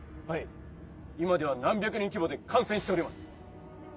はい今では何百人規模で感染しております。